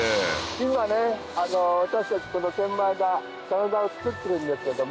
今ね私たちこの千枚田棚田を作ってるんですけども。